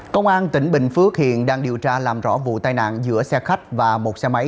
công an tỉnh bình phước hiện đang điều tra làm rõ vụ tai nạn giữa xe khách và một xe máy